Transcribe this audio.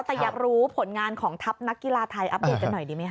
แต่อยากรู้ผลงานของทัพนักกีฬาไทยอัปเดตกันหน่อยดีไหมค